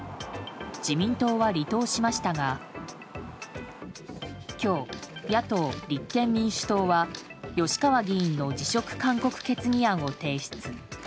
自民党は離党しましたが今日、野党・立憲民主党は吉川議員の辞職勧告決議案を提出。